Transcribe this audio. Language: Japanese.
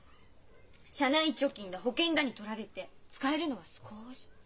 社内貯金だ保険だに取られて使えるのは少し。